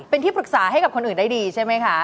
เป็นที่ปรึกษาให้กับคนอื่นได้ดีใช่ไหมคะ